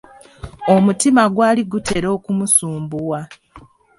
Omutima gwali gutera okumusumbuwa.